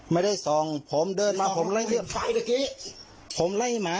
ไม่ได้ส่องผมเดินมาผมไล่เดี๋ยวผมไล่หมา